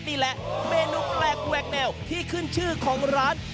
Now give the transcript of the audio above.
นี่แหละเมนูแปลกแหวกแนวที่ขึ้นชื่อของร้าน